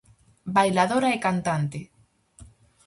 Bailadora e cantante.